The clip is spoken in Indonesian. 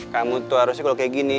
kamu tuh harusnya kalau kayak gini